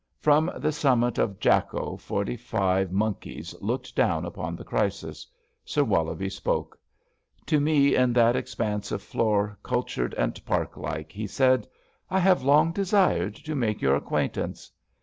From the summit of Jakko forty five monkies looked down upon the crisis. Sir Wollobie spoke. To me in that expanse of floor cultured and park like. He said :'* I have long desired to make your acquaintance.